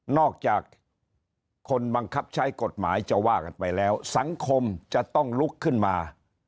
อกจากคนบังคับใช้กฎหมายจะว่ากันไปแล้วสังคมจะต้องลุกขึ้นมา